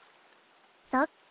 そっか。